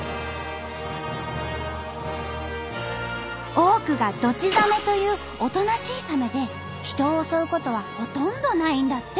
多くがドチザメというおとなしいサメで人を襲うことはほとんどないんだって。